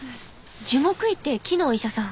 樹木医って木のお医者さん。